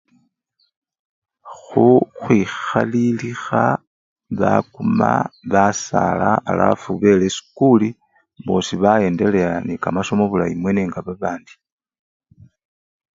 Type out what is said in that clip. Khuu ! khwikhalilikha bakuma basala alafu bela esikuli bosi baendelea nekamasomo bulayi mwene nga babandi.